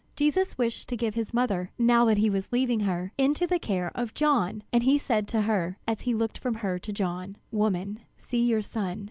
Jesus wished to give his mother, now that he was leaving her, into the care of John, and he said to her, as he looked from her to John: "Woman, see your son."